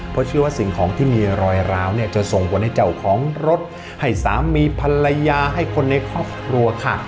เพราะเชื่อว่าสิ่งของที่มีรอยร้าวเนี่ยจะส่งผลให้เจ้าของรถให้สามีภรรยาให้คนในครอบครัวค่ะ